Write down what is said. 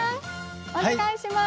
お願いします。